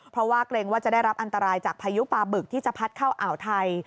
เพราะว่าเกรงว่าจะได้รับอันตรายจากพายุปลาบึกที่จะพัดเข้าอ่าวไทย